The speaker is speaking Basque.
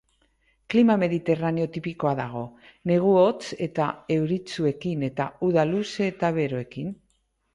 Klima mediterraneo tipikoa dago, negu hotz eta euritsuekin eta uda luze eta beroekin.